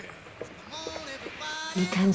いい感じ。